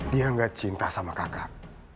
dia gak cinta sama kakak